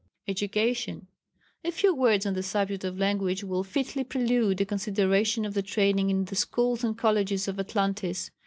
Education. A few words on the subject of language will fitly prelude a consideration of the training in the schools and colleges of Atlantis.